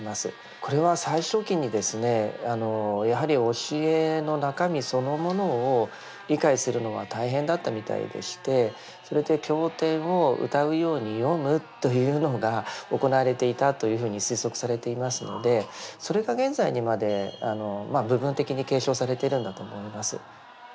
これは最初期にですねやはり教えの中身そのものを理解するのが大変だったみたいでしてそれで経典を歌うように読むというのが行われていたというふうに推測されていますのでそれが現在にまで部分的に継承されてるんだと思います。